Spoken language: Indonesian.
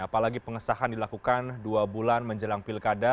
apalagi pengesahan dilakukan dua bulan menjelang pilkada